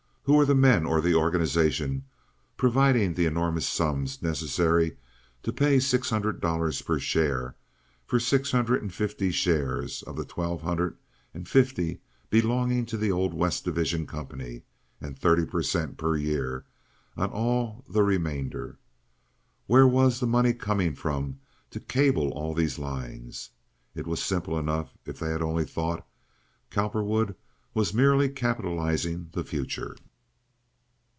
Who were the men or the organization providing the enormous sums necessary to pay six hundred dollars per share for six hundred and fifty shares of the twelve hundred and fifty belonging to the old West Division company, and thirty per cent. per year on all the remainder? Where was the money coming from to cable all these lines? It was simple enough if they had only thought. Cowperwood was merely capitalizing the future.